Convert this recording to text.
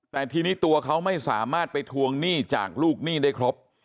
แต่ทีนี้ตัวเขาไม่สามารถไปทวงหนี้จากลูกหนี้ได้ครบ